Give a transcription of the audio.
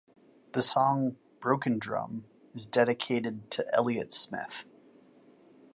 The song "Broken Drum" is dedicated to Elliott Smith.